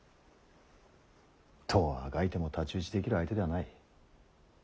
どうあがいても太刀打ちできる相手ではない。